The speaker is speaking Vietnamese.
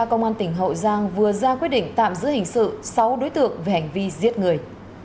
công an tỉnh hậu giang vừa ra quyết định tạm giữ hình sự sáu đối tượng về hành vi giết người